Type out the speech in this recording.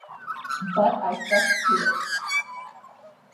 But I stuck to it.